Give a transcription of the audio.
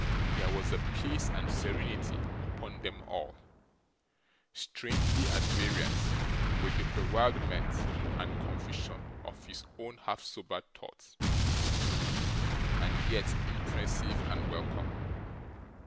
There was a peace and serenity upon them all, strangely at variance with the bewilderment and confusion of his own half sobered thoughts, and yet impressive and welcome.